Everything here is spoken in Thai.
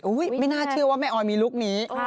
ไม่น่าเชื่อว่าแม่ออยมีลูกนี้